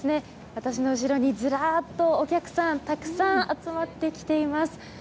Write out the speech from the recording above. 私の後ろにずらっとお客さんたくさん、集まってきています。